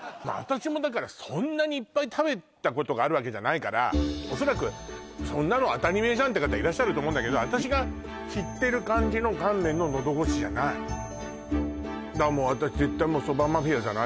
私もだからそんなにいっぱい食べたことがあるわけじゃないからおそらくそんなの当たり前じゃんって方いらっしゃると思うけど私が知ってる感じの乾麺ののどごしじゃない私